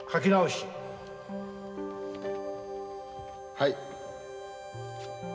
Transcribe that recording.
はい！